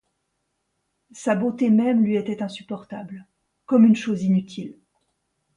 Sa beauté même lui était insupportable, comme une chose inutile.